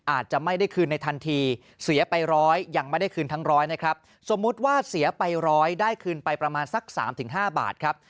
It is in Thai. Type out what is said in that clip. อาจจะไม่ได้คืนในทันทีเสียไปร้อยยังไม่ได้คืนทั้งร้อยนะครับสมมุติว่าเสียไปร้อยได้คืนไปประมาณสัก๓๕บาทครับ